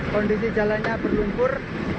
kondisi jalannya berlumpur